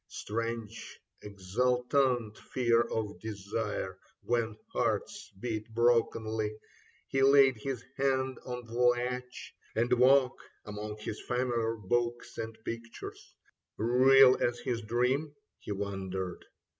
Strange exultant fear of desire, when hearts Beat brokenly. He laid his hand on the latch — And woke among his familiar books and pictures ; Real as his dream ? He wondered.